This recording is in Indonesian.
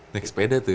naik sepeda tuh ya